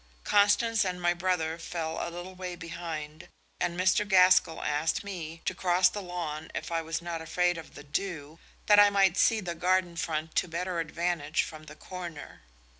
Constance and my brother fell a little way behind, and Mr. Gaskell asked me to cross the lawn if I was not afraid of the dew, that I might see the garden front to better advantage from the corner.